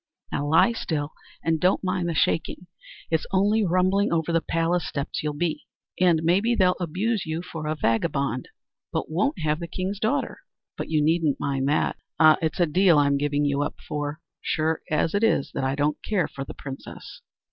"Now lie still, and don't mind the shaking; it's only rumbling over the palace steps you'll be. And maybe they'll abuse you for a vagabond, who won't have the king's daughter; but you needn't mind that. Ah! it's a deal I'm giving up for you, sure as it is that I don't care for the princess."